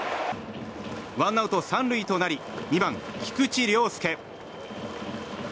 ワンアウト３塁となり２番、菊池涼介。